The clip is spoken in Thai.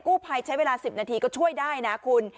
ภัยใช้เวลา๑๐นาทีก็ช่วยได้นะคุณ